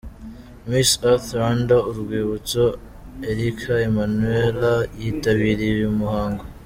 Miss Earth Rwanda Urwibutso Erica Emmanuella yitabiriye uyu muhango.